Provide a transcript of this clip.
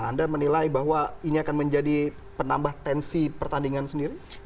anda menilai bahwa ini akan menjadi penambah tensi pertandingan sendiri